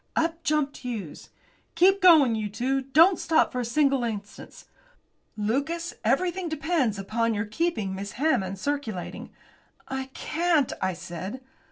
Up jumped Hughes. "Keep going, you two! Don't stop for a single instant. Lucas, everything depends upon your keeping Miss Hammond circulating." "I can't," I said.